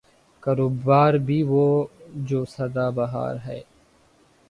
کاروبار بھی وہ جو صدا بہار ہے۔